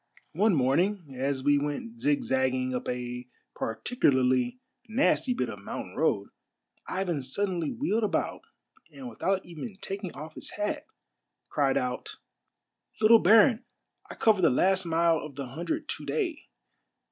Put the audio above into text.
" One morning as we went zigzagging up a particularly nasty bit of mountain road, Ivan suddenly wheeled about and without even taking off his hat, cried out, —" Little baron, I cover the last mile of the hundred to day.